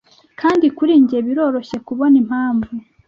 kandi kuri njye biroroshye kubona impamvu